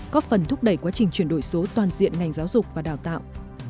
có phần thúc đẩy quá trình chuyển đổi số toàn diện ngành giáo dục và đào tạo